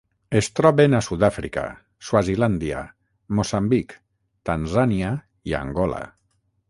Es troben a Sud-àfrica, Swazilàndia, Moçambic, Tanzània i Angola.